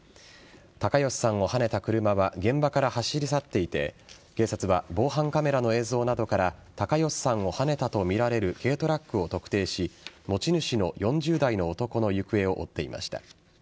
高吉さんをはねた車は現場から走り去っていて警察は防犯カメラの映像などから高吉さんをはねたとみられる軽トラックを特定し持ち主の４０代の男の行方を追っていました。